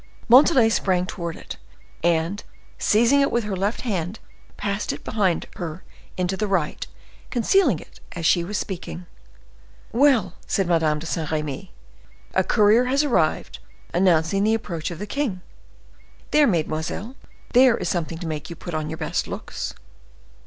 Montalais sprang towards it, and, seizing it with her left hand, passed it behind her into the right, concealing it as she was speaking. "Well," said Madame de Saint Remy, "a courier has arrived, announcing the approach of the king. There, mesdemoiselles; there is something to make you put on your best looks."